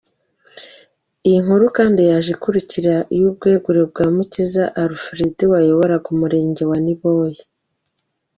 Iyi nkuru kandi yaje ikurikira iy’ubwegure bwa Mukiza Alfred wayoboraga Umurenge wa Niboye.